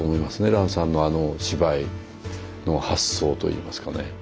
蘭さんのあの芝居の発想といいますかね。